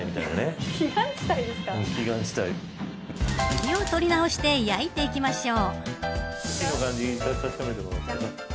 気を取り直して焼いていきましょう。